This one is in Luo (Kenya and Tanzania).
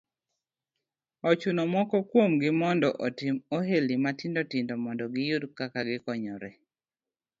Ochuno moko kuom gi mondo otim ohelni matindo tindo mondo giyud kaka gikonyore.